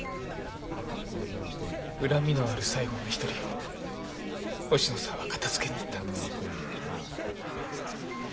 恨みのある最後の一人をおしのさんは片づけに行ったんです。